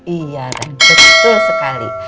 iya betul sekali